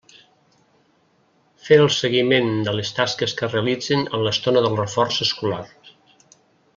Fer el seguiment de les tasques que realitzin en l'estona del reforç escolar.